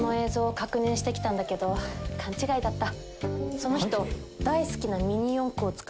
その人。